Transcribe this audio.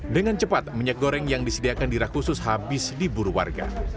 dengan cepat minyak goreng yang disediakan dirah khusus habis di buru warga